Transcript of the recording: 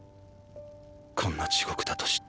こんな地獄だと知っ